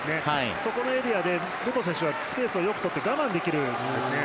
そこのエリアで武藤選手はスペースをよく取って我慢できるんですね。